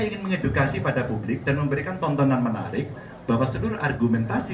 saya ingin mengedukasi pada publik dan memberikan tontonan menarik bahwa seluruh argumentasi